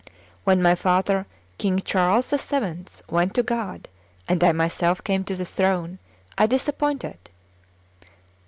When my father. King Charles VII., went to God, and I myself came to the throne, I disappointed [i.